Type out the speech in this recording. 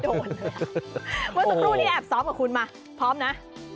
เมื่อสักครู่นี้แอบซ้อมกับคุณมาพร้อมนะ